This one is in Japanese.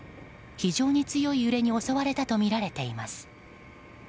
非常に強い揺れに襲われたとみられています。